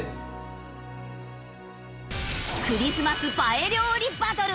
クリスマス映え料理バトル！